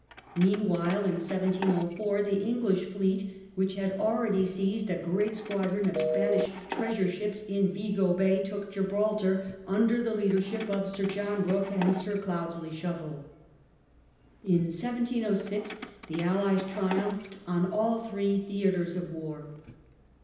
Meanwhile in 1704 the English »" Spain, fleet, which had already seized a great squadron of Span ish treasure ships in Vigo Bay, took Gibraltar, under the leadership of Sir John Rooke and Sir Cloudesley Shovel. In 1 706 the Allies triumphed on all three theatres of war.